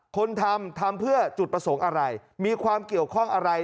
คนทำทำเพื่อจุดประสงค์อะไรมีความเกี่ยวข้องอะไร